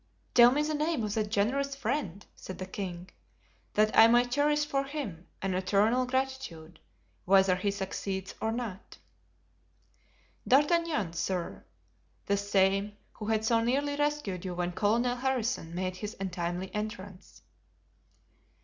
"Tell me the name of that generous friend," said the king, "that I may cherish for him an eternal gratitude, whether he succeeds or not." "D'Artagnan, sire, the same who had so nearly rescued you when Colonel Harrison made his untimely entrance."